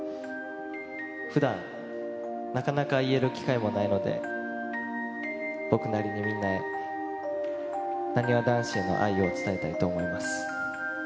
ふだん、なかなか言える機会もないので、僕なりにみんなへ、なにわ男子への愛を伝えたいと思います。